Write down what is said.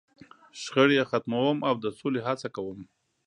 .شخړې یې ختموم، او د سولې هڅه کوم.